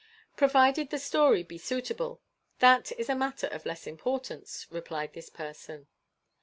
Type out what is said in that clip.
"Provided the story be suitable, that is a matter of less importance," replied this person.